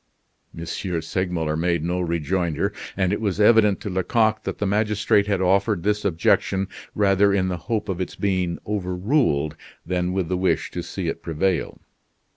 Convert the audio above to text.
M. Segmuller made no rejoinder; and it was evident to Lecoq that the magistrate had offered this objection rather in the hope of its being overruled, than with the wish to see it prevail.